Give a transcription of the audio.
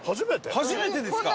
初めてですか？